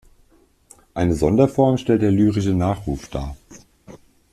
Eine Sonderform stellt der lyrische Nachruf dar.